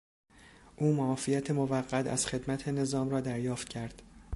او معافیت موقت از خدمت نظام را دریافت کرد.